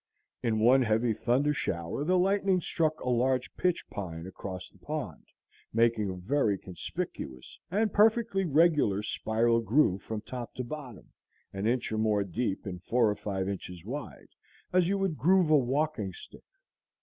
In one heavy thunder shower the lightning struck a large pitch pine across the pond, making a very conspicuous and perfectly regular spiral groove from top to bottom, an inch or more deep, and four or five inches wide, as you would groove a walking stick.